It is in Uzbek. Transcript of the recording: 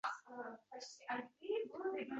Boshqalar ham naf ko’rmagan.